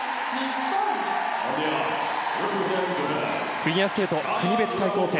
フィギュアスケート国別対抗戦。